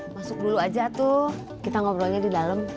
masuk dulu aja tuh kita ngobrolnya di dalam